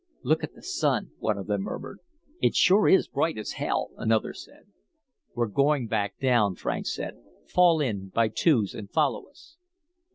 "Look at the Sun," one of them murmured. "It sure is bright as hell," another said. "We're going back down," Franks said. "Fall in by twos and follow us."